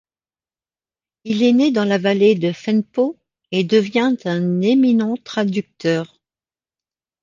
Il est né dans la vallée de Phènpo, et devint un éminent traducteur.